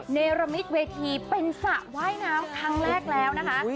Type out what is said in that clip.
เนรมิตเวทีเป็นสระว่ายน้ำครั้งแรกแล้วนะคะ